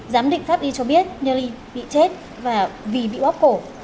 giám định pháp y cho biết yelly bị chết vì bị bóp cổ